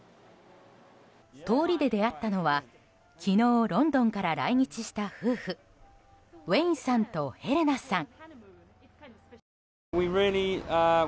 通りで出会ったのは昨日ロンドンから来日した夫婦ウェインさんと、ヘレナさん。